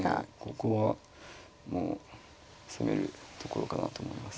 ここはもう攻めるところかなと思います。